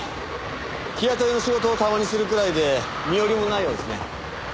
日雇いの仕事をたまにするくらいで身寄りもないようですね。